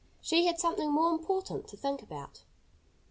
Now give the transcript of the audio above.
She had something more important to think about.